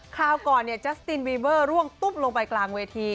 คราวก่อนเนี่ยจัสตินวีเวอร์ร่วงตุ๊บลงไปกลางเวที